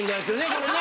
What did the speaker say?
これね。